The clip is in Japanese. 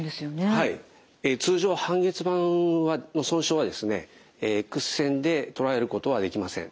通常半月板の損傷はですねエックス線でとらえることはできません。